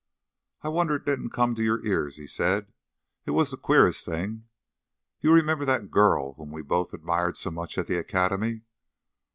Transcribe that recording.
"I wonder it didn't come to your ears," he said. "It was the queerest thing. You remember that girl whom we both admired so much at the Academy?"